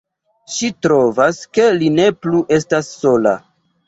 Ŝi trovas, ke li ne plu estas sola.